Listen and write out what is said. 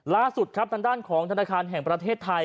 ล่าสุดครับทางด้านของธนาคารแห่งประเทศไทย